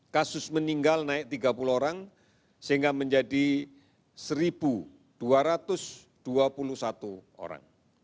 kasus meninggal naik tiga puluh orang sehingga menjadi satu dua ratus dua puluh satu orang